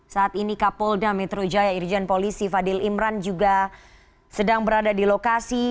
saat ini kapolda metro jaya irjen polisi fadil imran juga sedang berada di lokasi